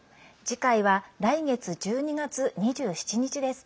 次回は、来月１２月２７日です。